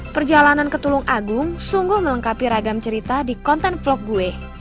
perjalanan ke tulung agung sungguh melengkapi ragam cerita di konten vlog gue